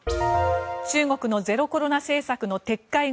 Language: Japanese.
中国のゼロコロナ政策の撤回後